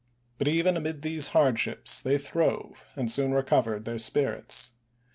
But even amid these hard ships they throve and soon recovered their spirits.